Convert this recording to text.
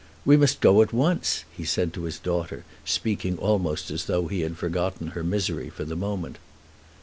"We must go at once," he said to his daughter, speaking almost as though he had forgotten her misery for the moment.